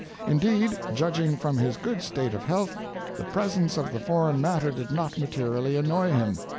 Indeed, judging from his good state of health, the presence of the foreign matter did not materially annoy him.